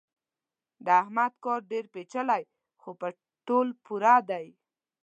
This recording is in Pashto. د احمد کار ډېر پېچلی خو په تول پوره دی.